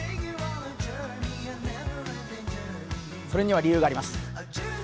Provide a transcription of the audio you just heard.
それには理由があります。